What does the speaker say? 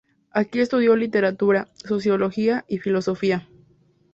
Aquí estudió literatura, sociología y filosofía.